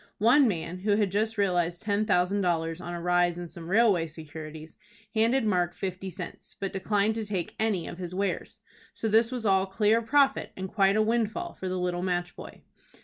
One man, who had just realized ten thousand dollars on a rise in some railway securities, handed Mark fifty cents, but declined to take any of his wares. So this was all clear profit and quite a windfall for the little match boy.